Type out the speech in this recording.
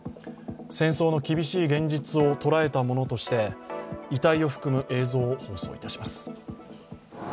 戦争の厳しい現実を捉えたものとして、遺体を含む映像を放送いたします。